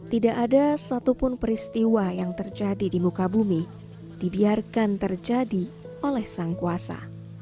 tidak ada satupun peristiwa yang terjadi di muka bumi dibiarkan terjadi oleh sang kuasa